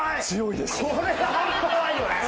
強いですよ。